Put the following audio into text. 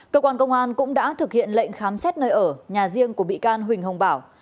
cơ quan công an cũng đã thực hiện lệnh khám xét nơi ở nhà riêng của bị can huỳnh hồng bảo